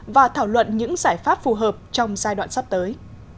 và thảo luận những giải pháp phù hợp trong giai đoạn sắp tới